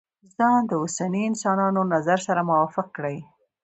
ځان د اوسنيو انسانانو نظر سره موافق کړي.